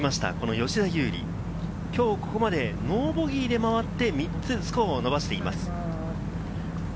吉田優利、きょうここまでノーボギーで回って、３つスコアを伸ばしています。